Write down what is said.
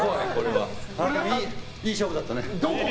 いい勝負だったね。